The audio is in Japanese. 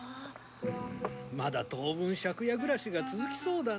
まだ当分借家暮らしが続きそうだな。